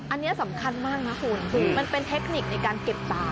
อันนี้สำคัญมากนะคุณมันเป็นเทคนิคในการเก็บตา